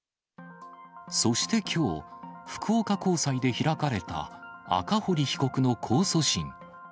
そしてきょう、福岡高裁で開かれた赤堀被告の控訴審。